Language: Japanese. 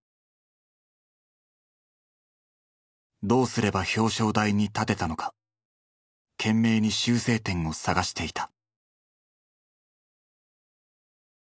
どうすれば表彰台に立てたのか懸命に修正点を探していた。